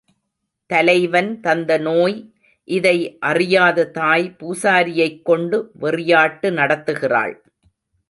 தலைவன் தந்த நோய் இதை அறியாத தாய் பூசாரியைக் கொண்டு வெறியாட்டு நடத்துகிறாள்.